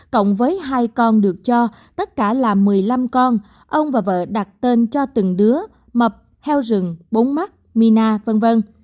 cộng với hai con được cho tất cả là một mươi năm con ông và vợ đặt tên cho từng đứa mập heo rừng bốn mắt mina v v